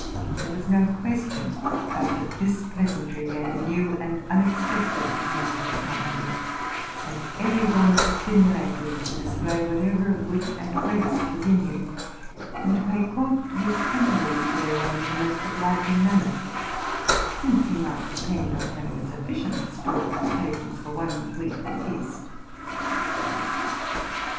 There was no question but that this pleasantry gave a new and un expected turn to the company ; and every one was stimulated to display whatever of wit and grace was in him, and to pay court to his temporary fair one in the most obliging manner, since he might depend on having a sufficient store of com plaisance for one week at least. ————{,|, RELATING TO MY LIFE.